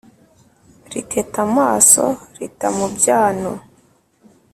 Riteta amaso rita mu byano.